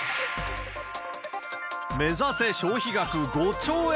目指せ、消費額５兆円。